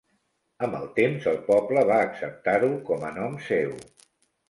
Amb el temps, el poble va acceptar-ho com a nom seu.